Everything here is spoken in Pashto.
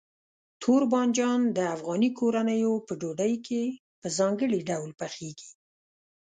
تور بانجان د افغاني کورنیو په ډوډۍ کې په ځانګړي ډول پخېږي.